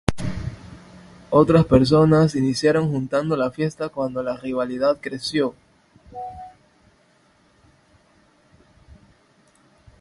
Otras personas iniciaron juntando la fiesta cuando la rivalidad creció.